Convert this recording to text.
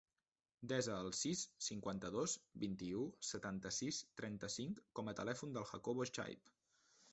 Desa el sis, cinquanta-dos, vint-i-u, setanta-sis, trenta-cinc com a telèfon del Jacobo Chaib.